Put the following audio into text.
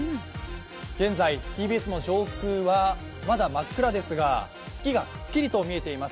現在、ＴＢＳの上空はまだ真っ暗ですが、月がくっきりと見えています